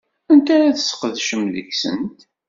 Anta ara tesqedcem deg-sent?